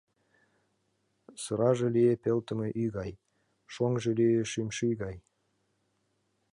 Сыраже лие пелтыме ӱй гай, шоҥжо лие шӱшмӱй гай.